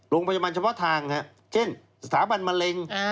โดยเฉพาะทางเช่นสถาบันมะเร็ง